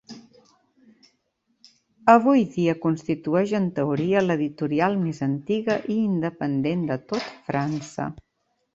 Avui dia constitueix en teoria l'editorial més antiga i independent de tot França.